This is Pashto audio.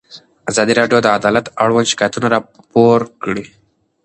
ازادي راډیو د عدالت اړوند شکایتونه راپور کړي.